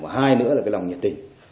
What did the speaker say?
và hai nữa là cái lòng nhận tình